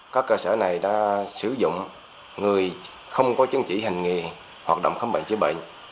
các cơ sở này đã sử dụng người không có chứng chỉ hành nghề hoạt động khám bệnh chữa bệnh